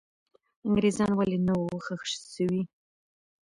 انګریزان ولې نه وو ښخ سوي؟